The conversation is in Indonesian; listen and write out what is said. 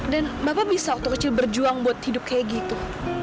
dan bapak bisa waktu kecil berjuang buat hidup kayak gitu